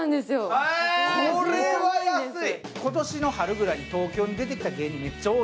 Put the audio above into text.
これは安い！